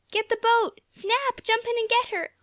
"Get the boat!" "Snap! Jump in and get her!"